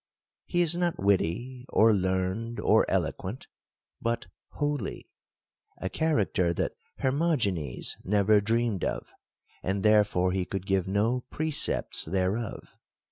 He is not witty, or learned, or eloquent, but holy :— a character that Hermogenes never dreamec" of, and therefore he could give no precepts thereof.